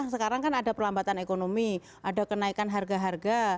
sekarang kan ada perlambatan ekonomi ada kenaikan harga harga